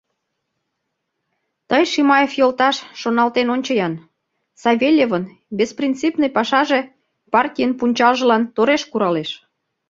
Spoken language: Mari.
— Тый, Шимаев йолташ, шоналтен ончо-ян: Савельевын беспринципный пашаже партийын пунчалжылан тореш куралеш.